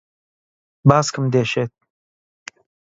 باسکم دێشێت.